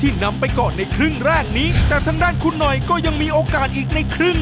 ที่นำไปเกาะในครึ่งร่างนี้แต่ทางด้านคุณเหนวยก็ยังมีโอกาสอีกในครึ่ง